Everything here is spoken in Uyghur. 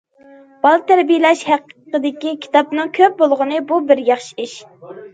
بالا تەربىيەلەش ھەققىدىكى كىتابنىڭ كۆپ بولغىنى بۇ بىر ياخشى ئىش.